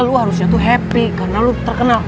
lu harusnya tuh happy karena lu terkenal